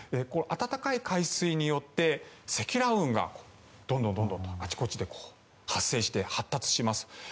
暖かい海水によって、積乱雲があちこちで発生して発達します。